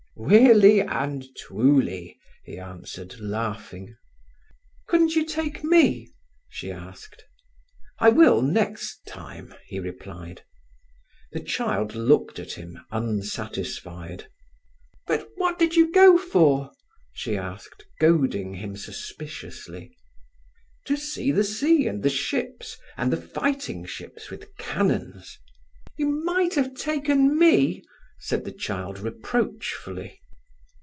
"Weally and twuly," he answered, laughing. "Couldn't you take me?" she asked. "I will next time," he replied. The child still looked at him, unsatisfied. "But what did you go for?" she asked, goading him suspiciously. "To see the sea and the ships and the fighting ships with cannons—" "You might have taken me," said the child reproachfully.